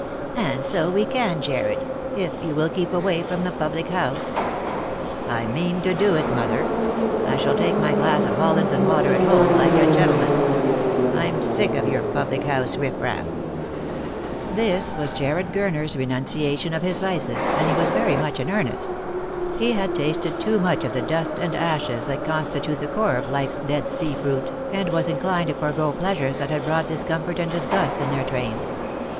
" And so we can, Jarred, if you will keep away from the public house." " I mean to do it, mother. I shall take my glass of hollands and water at home like a gentleman. I'm sick of your public house riffraff." This was Jarred Gurner's renunciation of his vices, and he was very much in earnest. He had tasted too much of the dust and ashes that constitute the core of life's Dead Sea fruit, and was inclined to forego pleasures that had brought discom fort and disgust in their train.